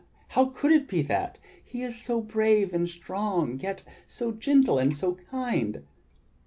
How could it be that? He is so brave and strong, yet so gentle and so kind!"